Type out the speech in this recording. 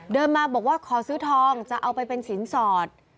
เดินมาบอกว่าขอซื้อทองจะเอาไปเป็นสินสอด